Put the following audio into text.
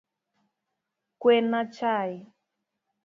Kwena chai